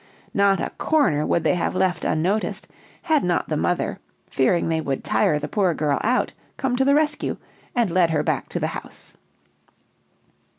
Not a corner would they have left unnoticed, had not the mother, fearing they would tire the poor girl out, come to the rescue, and led her back to the house.